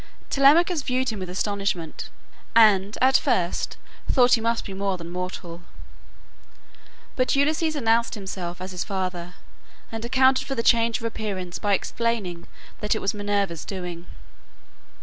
Telemachus viewed him with astonishment, and at first thought he must be more than mortal. But Ulysses announced himself as his father, and accounted for the change of appearance by explaining that it was Minerva's doing.